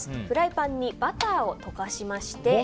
フライパンにバターを溶かしまして。